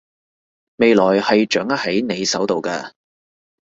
未來係掌握喺你手度㗎